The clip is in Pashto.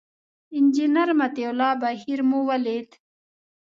انجینر مطیع الله بهیر مو ولید.